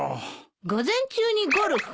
午前中にゴルフ。